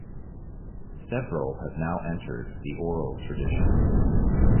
Several have now entered the oral tradition.